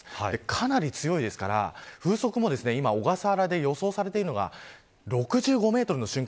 かなり強いですから、風速も小笠原で予想されているのが６５メートルの瞬間